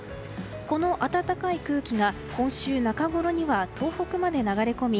この暖かい空気が今週中ごろには東北まで流れ込み